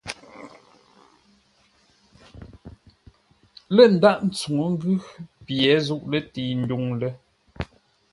Lə́ ndághʼ tsuŋə́ ngʉ́ pye zûʼ lətəi ndwuŋ lə́.